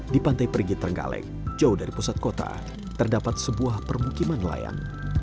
di pantai perigi terenggalek jauh dari pusat kota terdapat sebuah permukiman nelayan